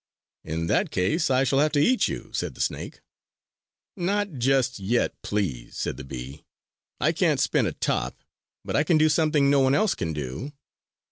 "In that case, I shall have to eat you!" said the snake. "Not just yet, please," said the bee. "I can't spin a top; but I can do something no one else can do!"